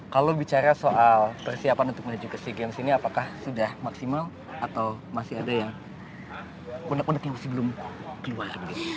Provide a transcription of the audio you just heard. kalau bicara soal persiapan untuk menuju ke sea games ini apakah sudah maksimal atau masih ada yang unek unek yang masih belum keluar